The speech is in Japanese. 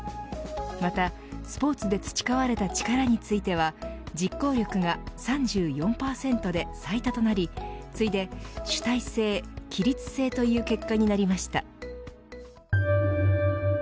また、スポーツで培われた力については実行力が３４％で最多となり次いで主体性、規律性という結果になりました。